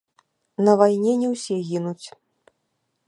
На вайне не ўсе гінуць.